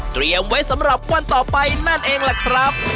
เตรียมไว้สำหรับวันต่อไปนั่นเองแหละครับ